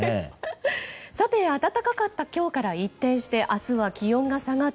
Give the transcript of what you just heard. さて暖かった今日から一転して明日は気温が下がって